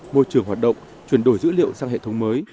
môi trường hoạt động chuyển đổi dữ liệu sang hệ thống mới